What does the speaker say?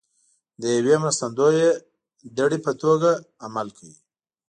د یوې مرستندویه دړې په توګه عمل کوي